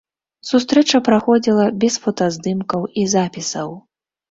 Сустрэча праходзіла без фотаздымкаў і запісаў.